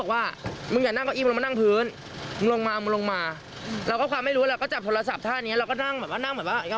เขาก็เตะเลยต้องห่ายทองไปเลย